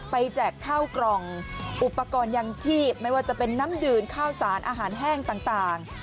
แจกข้าวกล่องอุปกรณ์ยังชีพไม่ว่าจะเป็นน้ำดื่มข้าวสารอาหารแห้งต่าง